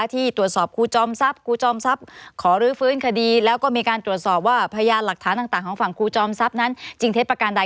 ที่ตรวจสอบครูจอมทรัพย์ครูจอมทรัพย์ขอรื้อฟื้นคดีแล้วก็มีการตรวจสอบว่าพยานหลักฐานต่างของฝั่งครูจอมทรัพย์นั้นจริงเท็จประการใด